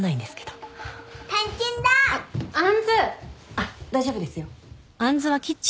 あっ大丈夫ですよ。